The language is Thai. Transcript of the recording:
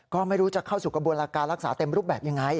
ก็ไม่รู้จะเข้าสู่กระบวนการรักษาเต็มรูปแบบยังไง